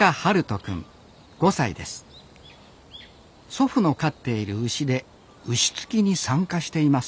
祖父の飼っている牛で牛突きに参加しています